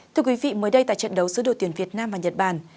thưa quý vị mới đây tại trận đấu giữa đội tuyển việt nam và nhật bản